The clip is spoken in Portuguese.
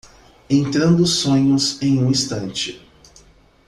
Entrando sonhos em um instante